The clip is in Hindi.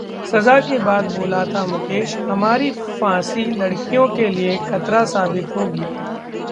सजा के बाद बोला था मुकेश- 'हमारी फांसी लड़कियों के लिए खतरा साबित होगी'